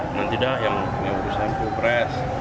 semoga tidak yang menguruskan itu pres